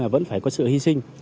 vẫn phải có sự hy sinh